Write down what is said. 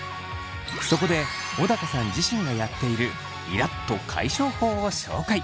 そこで小高さん自身がやっているイラっと解消法を紹介。